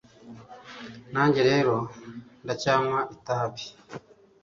Nanjye rero Ndacyanywa itabi